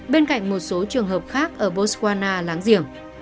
bên cạnh một số trường hợp khác ở boswana láng giềng